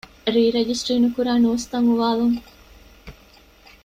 ރީ ރަޖިސްޓަރީ ނުކުރާ ނޫސްތައް އުވާލުން